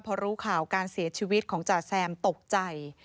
พอรู้ข่าวการเสียชีวิตของจ่าแซมตกใจ